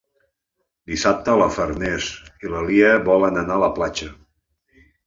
Dissabte na Farners i na Lea volen anar a la platja.